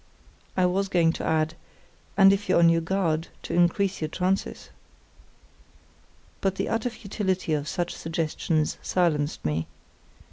I was going to add: "And if you're on your guard, to increase our chances." But the utter futility of such suggestions silenced me.